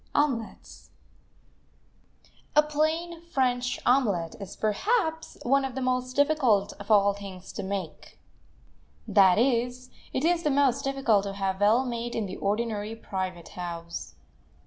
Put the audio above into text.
OMELETS A plain French omelet is, perhaps, one of the most difficult of all things to make; that is, it is the most difficult to have well made in the ordinary private house.